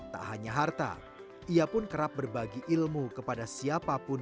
tak hanya harta ia pun kerap berbagi ilmu kepada siapapun